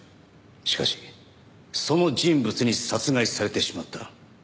しかしその人物に殺害されてしまった。